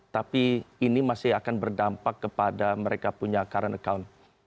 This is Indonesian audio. tapi ini masih akan berdampak kepada mereka punya current account